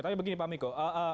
tapi begini pak miko